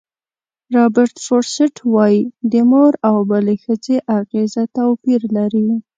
رابرټ فروسټ وایي د مور او بلې ښځې اغېزه توپیر لري.